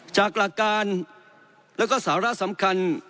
จากหลักการแล้วก็สาระสำคัญ